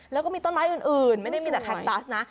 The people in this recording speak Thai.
แล้วก็มีต้นไม้อื่นไม่ได้มีแต่แคคตัสนะ